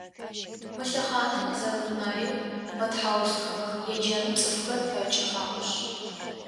Мы лъэхъаным зэрэдунаеу мэтхьаусыхэх еджэным цӏыфхэр пэкӏых аӏошъ.